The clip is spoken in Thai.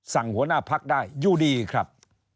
สั่งหัวหน้าภักดิ์ได้อยู่ดีครับ